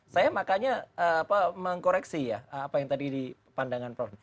saya makanya mengkoreksi ya apa yang tadi dipandangkan prof